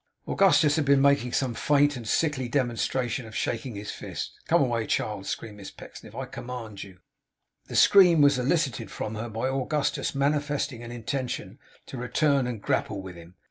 Augustus had been making some faint and sickly demonstration of shaking his fist. 'Come away, child,' screamed Miss Pecksniff, 'I command you!' The scream was elicited from her by Augustus manifesting an intention to return and grapple with him.